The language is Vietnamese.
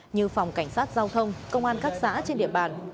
như phòng cảnh sát giao thông công an các xã trên địa bàn